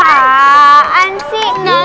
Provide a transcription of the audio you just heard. ah tunggu bentar